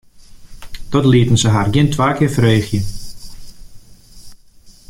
Dat lieten se har gjin twa kear freegje.